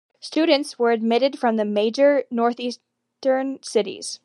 Students were admitted from major northeastern cities.